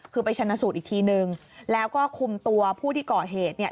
คือไปชนะสูตรอีกทีนึงแล้วก็คุมตัวผู้ที่ก่อเหตุเนี่ย